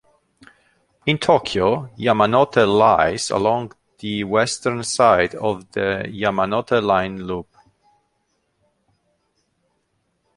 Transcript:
In Tokyo, "Yamanote" lies along the western side of the Yamanote Line loop.